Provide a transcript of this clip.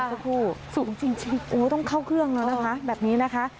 สักครู่สูงจริงโอ้ต้องเข้าเครื่องแล้วนะคะแบบนี้นะคะ